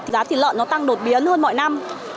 giá thịt lợn nó tăng đột biến hơn mọi năm